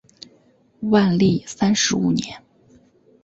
万历三十五年。